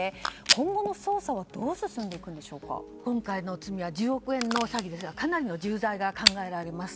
今後の捜査は今回の罪は１０億円の詐欺ですがかなりの重罪が考えられます。